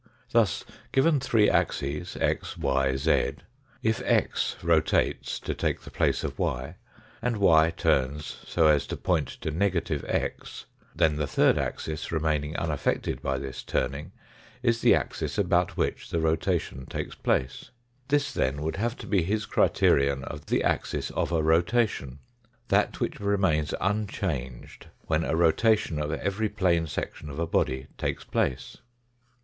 Thus, given three axes, x, y, z, if x rotates to take the the place of y, and y turns so as to point to negative x, then the third axis remaining unaffected by this turning is the axis about which the rotation takes place. This, then, would have to be his criterion of the axis of a rotation that which remains unchanged when a rotation of every plane section of a body takes place.